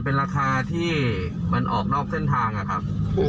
เป็นราคาที่มันออกนอกเส้นทางอะครับ